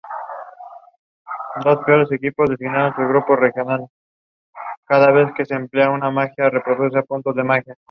La unión se estabiliza siempre mediante enlaces no covalentes.